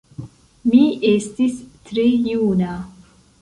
Mi estis tre juna.